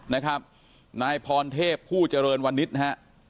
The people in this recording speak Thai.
นายพรเทพผู้เจริญวันนิษฐ์นะฮะ